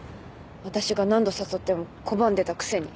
私が何度誘っても拒んでたくせに。